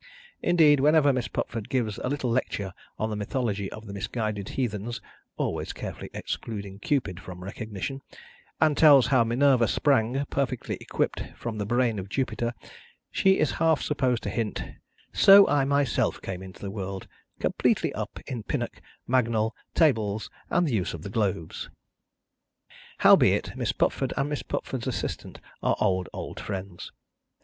Indeed, whenever Miss Pupford gives a little lecture on the mythology of the misguided heathens (always carefully excluding Cupid from recognition), and tells how Minerva sprang, perfectly equipped, from the brain of Jupiter, she is half supposed to hint, "So I myself came into the world, completely up in Pinnock, Mangnall, Tables, and the use of the Globes." Howbeit, Miss Pupford and Miss Pupford's assistant are old old friends.